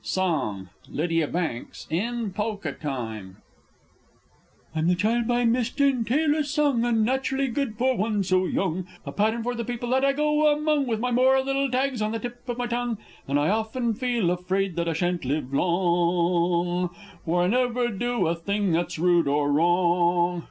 _ Song LYDIA BANKS (in Polka time). I'm the child by Miss Jane Taylor sung; Unnaturally good for one so young A pattern for the people that I go among, With my moral little tags on the tip of my tongue. And I often feel afraid that I shan't live long, For I never do a thing that's rude or wrong!